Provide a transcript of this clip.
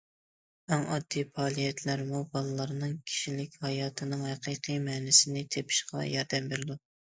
ئەڭ ئاددىي پائالىيەتلەرمۇ بالىلارنىڭ كىشىلىك ھاياتنىڭ ھەقىقىي مەنىسىنى تېپىشىغا ياردەم بېرىدۇ.